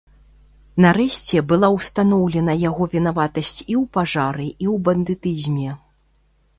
Нарэшце была ўстаноўлена яго вінаватасць і ў пажары і ў бандытызме.